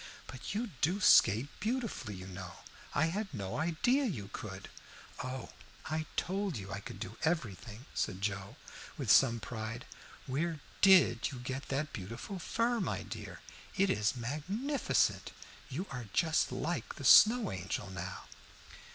But you do skate beautifully, you know. I had no idea you could." "Oh, I told you I could do everything," said Joe, with some pride. "Where did you get that beautiful fur, my dear? It is magnificent. You are just like the Snow Angel now."